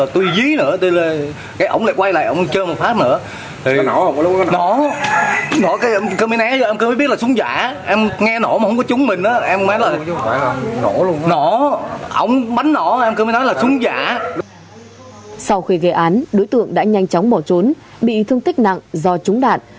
sau khi gây án đối tượng đã nhanh chóng bỏ trốn bị thương tích nặng do trúng đạn